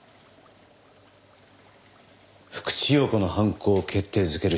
福地陽子の犯行を決定づける